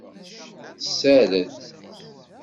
Tessared.